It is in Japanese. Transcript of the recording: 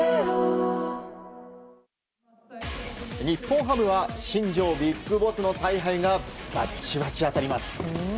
日本ハムは新庄ビッグボスの采配がバッチバチ当たります。